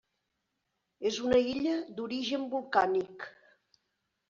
És una illa d'origen volcànic.